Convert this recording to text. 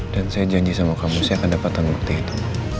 dan saya janji sama kamu saya akan dapatkan bukti itu